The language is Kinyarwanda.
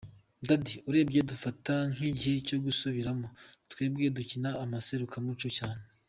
Daddy: Urebye dufata nk’igihe cyo gusubiramo, twebwe dukina amaserukiramuco cyane.